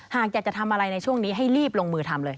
หากอยากจะทำอะไรในช่วงนี้ให้รีบลงมือทำเลย